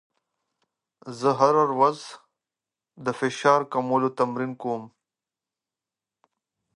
زه هره ورځ د فشار کمولو تمرین کوم.